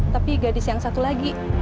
tapi gadis yang satu lagi